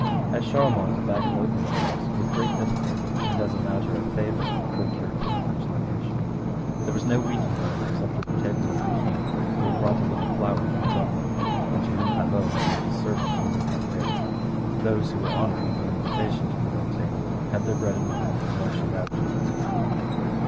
At Charlemont a bag of oatmeal was with great difficulty, and as a matter of favour, procured for the French legation. There was no wheaten bread, except at the table of the King, who had brought a little flour from Dublin, and to whom Avaux had lent a servant who knew how to bake. Those who were honoured with an invitation to the royal table had their bread and wine measured out to them.